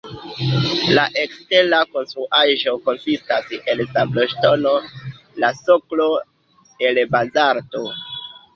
La ekstera konstruaĵo konsistas el sabloŝtono, la soklo el bazalto.